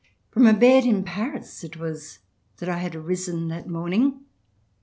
From a bed in Paris it was that I had arisen that morning.